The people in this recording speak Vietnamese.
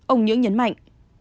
ông nhưỡng nhấn mạnh